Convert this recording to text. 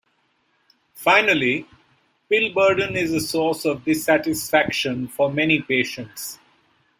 Finally, pill burden is a source of dissatisfaction for many patients.